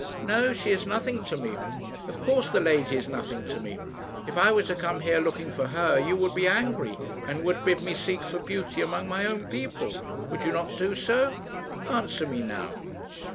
"No; she is nothing to me. Of course, the lady is nothing to me. If I were to come here looking for her, you would be angry, and would bid me seek for beauty among my own people. Would you not do so? Answer me now."